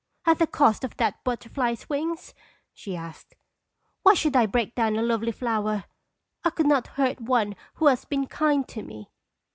"At the cost of that butterfly's wings?" she asked. "Why should I break down a lovely flower? I could not hurt one who has been kind to me."